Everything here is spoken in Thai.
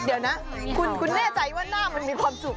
เดี๋ยวนะคุณแน่ใจว่าหน้ามันมีความสุข